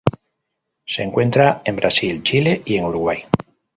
Se encuentra en Brasil, Chile y en Uruguay.